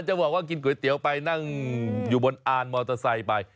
จะบอกว่ากินก๋วยเตี๋ยวไปนั่งอยู่บนอานมอเตอร์ไซค์ไป